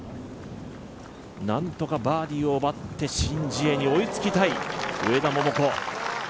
なんとかバーディーを奪ってシン・ジエに追いつきたい上田桃子。